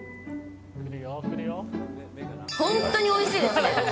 本当においしいですね。